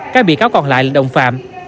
các bị cáo còn lại là đồng phạm